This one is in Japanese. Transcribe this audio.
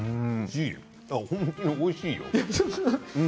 本当においしいよ。